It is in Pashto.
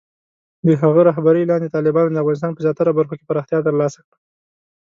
د هغه رهبرۍ لاندې، طالبانو د افغانستان په زیاتره برخو کې پراختیا ترلاسه کړه.